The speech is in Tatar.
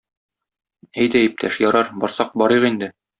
Әйдә, иптәш, ярар, барсак барыйк инде.